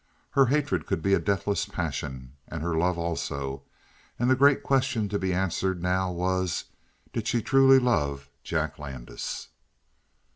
Her hatred could be a deathless passion, and her love also; and the great question to be answered now was, did she truly love Jack Landis?